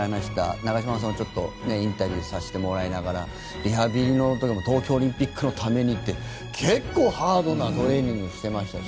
長嶋さんをちょっとインタビューさせてもらいながらリハビリの時も東京オリンピックのためにって結構ハードなトレーニングしてましたし。